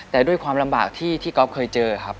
แต่ด้วยความลำบากที่ก๊อฟเคยเจอครับ